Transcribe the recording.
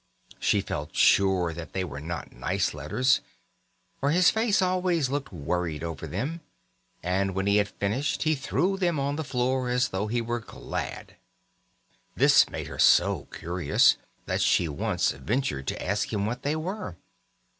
She felt sure they were not nice letters, for his face always looked worried over them; and when he had finished he threw them on the floor, as though he were glad. This made her so curious that she once ventured to ask him what they were.